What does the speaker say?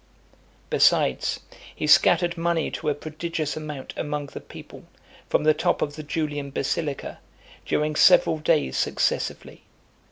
Besides, he scattered money to a prodigious amount among the people, from the top of the Julian Basilica , during several days successively.